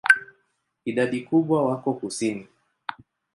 Idadi kubwa wako kusini.